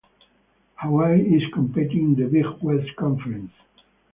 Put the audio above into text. Hawaii is competing in the Big West Conference.